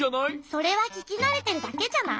それはききなれてるだけじゃない？